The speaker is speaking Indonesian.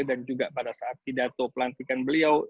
dan juga pada saat tidato pelantikan beliau